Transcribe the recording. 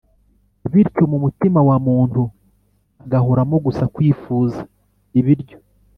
bityo mu mutima wa muntu hagahoramo gusa kwifuza, ibiryo